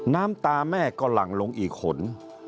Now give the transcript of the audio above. น้ำตาแม่ก็หลั่งลงอีกขน